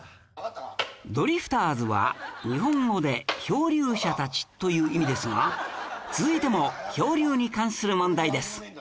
「ドリフターズ」は日本語で「漂流者たち」という意味ですが続いても漂流に関する問題です